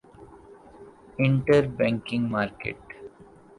inter bank market